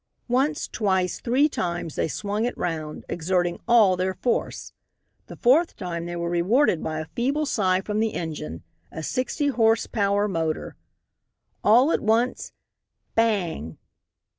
Once, twice, three times they swung it round, exerting all their force. The fourth time they were rewarded by a feeble sigh from the engine a sixty horse power motor. All at once Bang!